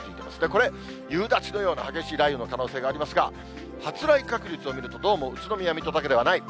これ、夕立のような激しい雷雨の可能性がありますが、発雷確率を見るとどうも宇都宮、水戸だけではない。